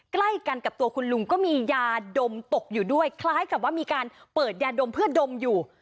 ใกล้กันกับตัวคุณลุงก็มียาดมตกอยู่ด้วยคล้ายกับว่ามีการเปิดยาดมเพื่อดมอยู่